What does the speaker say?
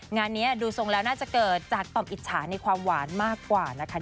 งานนี้ดูทรงแล้วน่าจะเกิดจากต่อมอิจฉาในความหวานมากกว่านะคะ